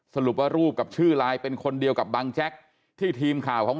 สรุปว่ารูปกับชื่อไลน์เป็นคนเดียวกับบังแจ๊กที่ทีมข่าวของ